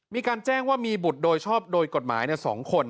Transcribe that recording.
มีการแจ้งว่ามีบุตรโดยชอบโดยกฎหมาย๒คน